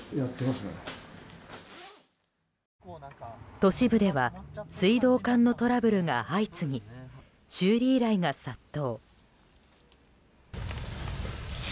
都市部では水道管のトラブルが相次ぎ修理依頼が殺到。